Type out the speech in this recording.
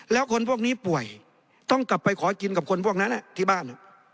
แล้วคนพวกนี้ป่วยต้องกลับไปขอกินกับคนพวกนั้นที่บ้าน